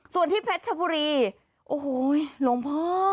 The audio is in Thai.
ส่วนที่เพชรชบุรีโอ้โหหลวงพ่อ